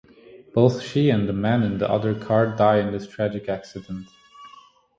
Both she and the man in the other car die in this tragic accident.